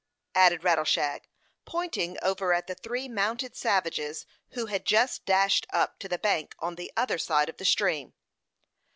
added Rattleshag, pointing over at the three mounted savages who had just dashed up to the bank on the other side of the stream.